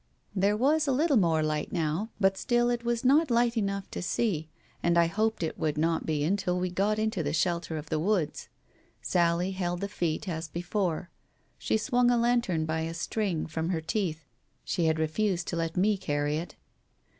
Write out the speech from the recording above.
There was a little more light now, but still it was "hot light enough to see, and I hoped it would not be until we got into the shelter of the woods. Sally held the feet, as before. She swung a lantern by a string from her teeth, she had refused to let me carry it.